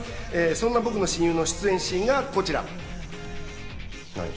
そんな僕の親友の出演シーンがこちら。